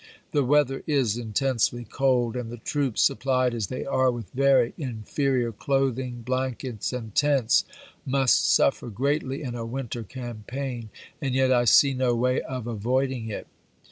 The weather is intensely cold, and the troops, supplied as they are with very inferior clothing, blankets, and tents, must suffer greatly in a winter campaign, and yet I see no way of avoiding it.